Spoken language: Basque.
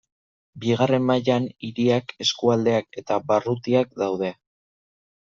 Bigarren mailan, hiriak, eskualdeak eta barrutiak daude.